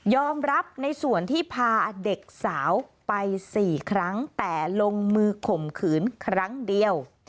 รับในส่วนที่พาเด็กสาวไป๔ครั้งแต่ลงมือข่มขืนครั้งเดียว